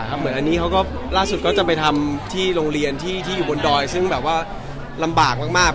วันนี้ล่าสุดก็จะไปทำที่โรงเรียนที่บนดอยซึ่งลำบากมาก